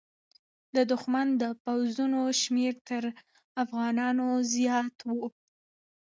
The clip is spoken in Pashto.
د دښمن د پوځونو شمېر تر افغانانو زیات و.